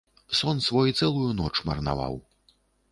Сон свой цэлую ноч марнаваў.